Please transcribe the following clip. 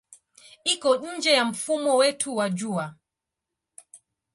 Iko nje ya mfumo wetu wa Jua.